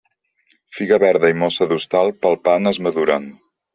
Figa verda i mossa d'hostal, palpant es maduren.